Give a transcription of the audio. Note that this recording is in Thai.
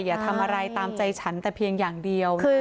อย่าทำอะไรตามใจฉันแต่เพียงอย่างเดียว